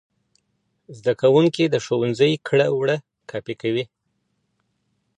زده کوونکي د ښوونکي کړه وړه کاپي کوي.